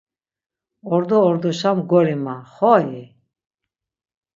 Ordo ordoşa mgori ma, xoi?